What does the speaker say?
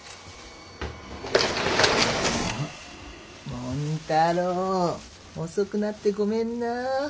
もん太郎遅くなってごめんな。